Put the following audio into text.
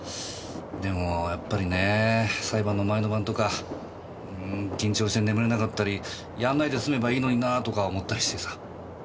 でもやっぱりね裁判の前の晩とか緊張して眠れなかったりやんないで済めばいいのになとか思ったりしてさ。